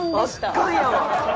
圧巻やわ！